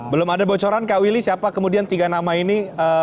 belum ada bocoran kak willy siapa kemudian tiga nama ini